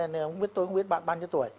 tôi không biết bạn bao nhiêu tuổi